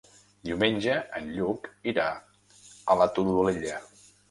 Diumenge en Lluc irà a la Todolella.